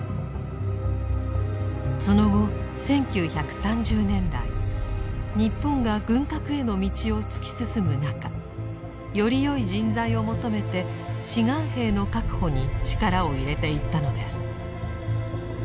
その後１９３０年代日本が軍拡への道を突き進む中よりよい人材を求めて「志願兵」の確保に力を入れていったのです。